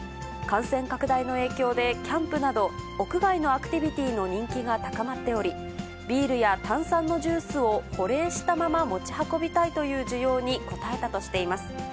感染拡大の影響でキャンプなど、屋外のアクティビティーの人気が高まっており、ビールや炭酸のジュースを保冷したまま持ち運びたいという需要に応えたとしています。